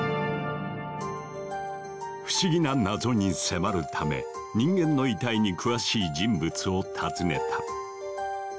不思議な謎に迫るため人間の遺体に詳しい人物を訪ねた。